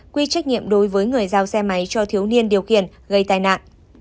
quy trách nhiệm đối với người giao xe máy cho thiếu niên điều khiển gây tai nạn